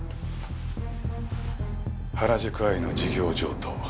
『原宿アイ』の事業譲渡。